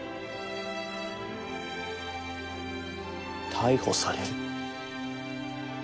逮捕される。